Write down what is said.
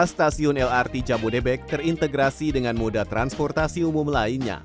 delapan belas stasiun lrt cabodebek terintegrasi dengan moda transportasi umum lainnya